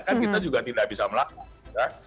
kan kita juga tidak bisa melakukan